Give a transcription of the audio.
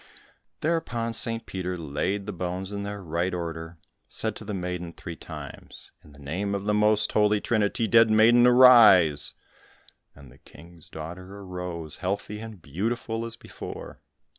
Thereupon St. Peter laid the bones in their right order, said to the maiden three times, "In the name of the most holy Trinity, dead maiden, arise," and the King's daughter arose, healthy and beautiful as before.